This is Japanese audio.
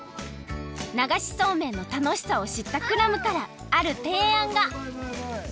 流しそうめんの楽しさをしったクラムからあるていあんが！？